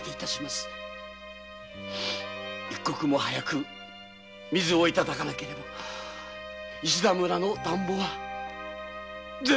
一刻も早く水をいただかなければ石田村の田圃は全滅です。